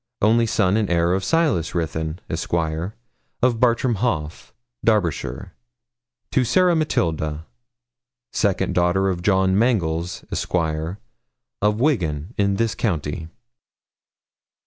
only son and heir of Silas Ruthyn, Esq., of Bartram Haugh, Derbyshire, to Sarah Matilda, second daughter of John Mangles, Esq., of Wiggan, in this county.'